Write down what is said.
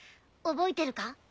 覚えてるか？